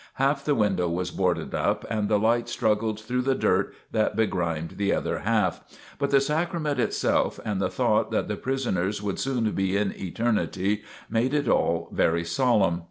Half the window was boarded up, and the light struggled through the dirt that begrimed the other half. But the Sacrament Itself and the thought that the prisoners would so soon be in Eternity, made it all very solemn.